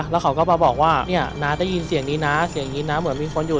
แล้วเขาก็มาบอกว่าเนี่ยน้าได้ยินเสียงนี้นะเสียงนี้นะเหมือนมีคนอยู่